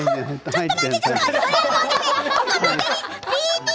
ちょっと待って。